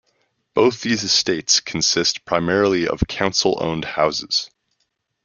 Both these estates consist primarily of council-owned houses.